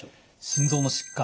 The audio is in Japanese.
心臓の疾患